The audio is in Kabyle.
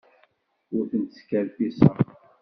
Ur tent-skerfiṣeɣ.